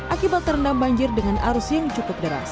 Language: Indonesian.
akibat terendam banjir dengan arus yang cukup deras